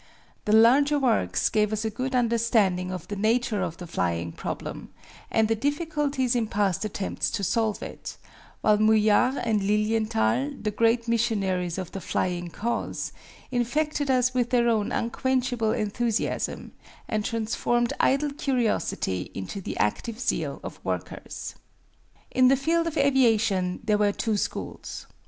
The larger works gave us a good understanding of the nature of the flying problem, and the difficulties in past attempts to solve it, while Mouillard and Lilienthal, the great missionaries of the flying cause, infected us with their own unquenchable enthusiasm, and transformed idle curiosity into the active zeal of workers. In the field of aviation there were two schools.